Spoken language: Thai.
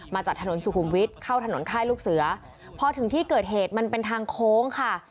มาจากถนนสุขุมวิทย์เข้าถนนค่ายลูกเสือพอถึงที่เกิดเหตุมันเป็นทางโค้งค่ะ